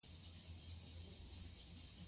دا خصوصيتونه ساکښ له ناساکښ نه بېلوي.